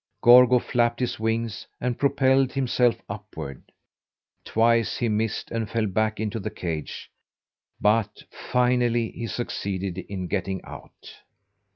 Gorgo flapped his wings and propelled himself upward. Twice he missed and fell back into the cage; but finally he succeeded in getting out.